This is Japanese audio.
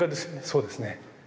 そうですね。